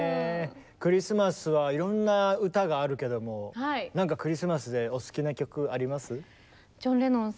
クリスマスはいろんな歌があるけども何かクリスマスでお好きな曲あります？